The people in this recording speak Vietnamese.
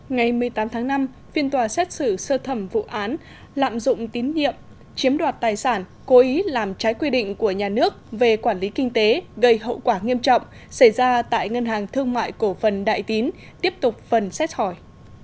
ngày một mươi tám tháng năm phiên tòa xét xử sơ thẩm vụ án lạm dụng tín nhiệm chiếm đoạt tài sản cố ý làm trái quy định của nhà nước về quản lý kinh tế gây hậu quả nghiêm trọng xảy ra tại ngân hàng thương mại cổ phần đại tín tiếp tục phần xét hỏi